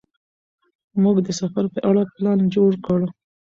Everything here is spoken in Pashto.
موږ د سفر په اړه پلان جوړ کړ.